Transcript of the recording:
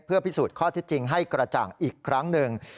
เพื่อพิสูจน์ข้อเท็จจริงให้กระจ่างอีกครั้งหนึ่ง